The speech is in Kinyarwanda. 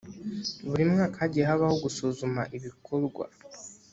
buri mwaka hagiye habaho gusuzuma ibikorwa